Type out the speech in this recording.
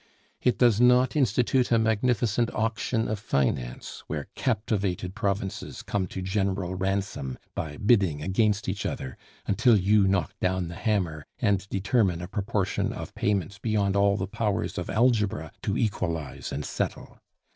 It does not institute a magnificent auction of finance, where captivated provinces come to general ransom by bidding against each other, until you knock down the hammer, and determine a proportion of payments beyond all the powers of algebra to equalize and settle.